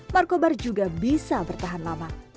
markobar juga bisa bertahan lama